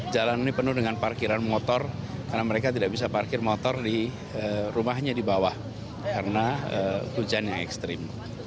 jalan ini penuh dengan parkiran motor karena mereka tidak bisa parkir motor di rumahnya di bawah karena hujan yang ekstrim